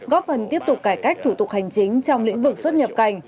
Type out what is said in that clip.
góp phần tiếp tục cải cách thủ tục hành chính trong lĩnh vực xuất nhập cảnh